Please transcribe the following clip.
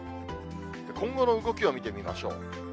今後の動きを見てみましょう。